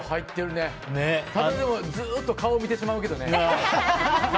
でもずっと顔見てしまうけどね。